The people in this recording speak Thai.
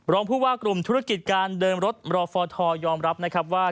รองผู้ว่ากลุ่มธุรกิจการเดินรถรอฟทยอมรับนะครับว่า